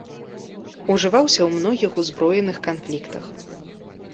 Ужываўся ў многіх узброеных канфліктах.